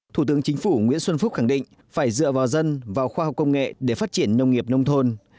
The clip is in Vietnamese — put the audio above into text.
thủ tướng chính phủ nguyễn xuân phúc khẳng định phải dựa vào dân vào khoa học công nghệ để phát triển nông nghiệp nông thôn